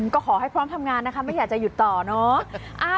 ก็ขอให้พร้อมทำงานนะคะไม่อยากจะหยุดต่อเนอะ